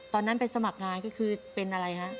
ตอนนั้นไปสมัครงานก็คือเป็นอะไรฮะ